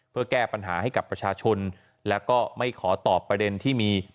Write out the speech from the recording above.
เพื่อแก้ปัญหาให้กับประชาชนแล้วก็ไม่ขอตอบประเด็นที่มี